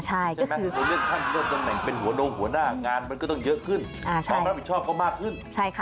สวัสดีค่ะ